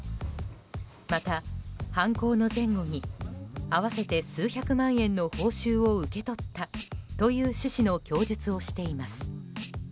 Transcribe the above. また、犯行の前後に合わせて数百万円の報酬を受け取ったという趣旨の供述をしています。